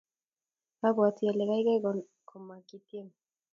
abwatii ale kaikai koma kitiem.